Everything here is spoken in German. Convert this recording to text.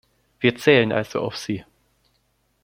Wir zählen also auf Sie.